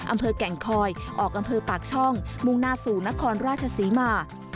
อำเภอแก่งคอยออกอำเภอปากช่องมุ่งหน้าสู่นครราชศรีมา